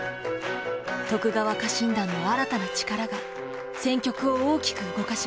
徳川家臣団の新たな力が戦局を大きく動かします。